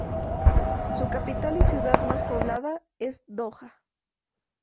Su capital y ciudad más poblada es Doha.